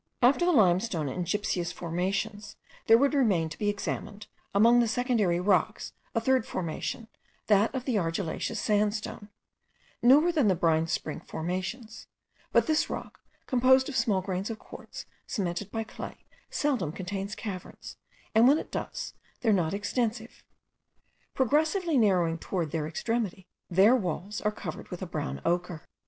After the limestone and gypseous formations, there would remain to be examined, among the secondary rocks, a third formation, that of the argillaceous sandstone, newer than the brine spring formations; but this rock, composed of small grains of quartz cemented by clay, seldom contains caverns; and when it does, they are not extensive. Progressively narrowing towards their extremity, their walls are covered with a brown ochre.